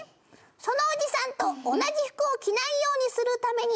「そのおじさんと同じ服を着ないようにするためには」